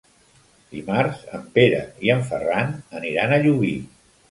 Dimarts en Pere i en Ferran aniran a Llubí.